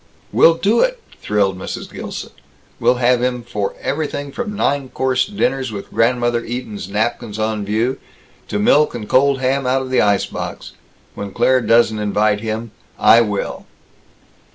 "We'll do it," thrilled Mrs. Gilson. "We'll have him for everything from nine course dinners with Grandmother Eaton's napkins on view, to milk and cold ham out of the ice box. When Claire doesn't invite him, I will!"